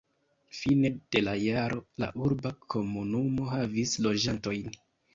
Fine de la jaro la urba komunumo havis loĝantojn.